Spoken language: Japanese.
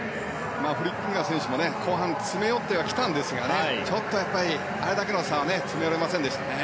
フリッキンガー選手も後半、詰め寄ってきたんですがちょっとあれだけの差は詰めれませんでした。